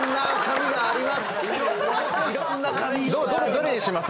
・どれにします？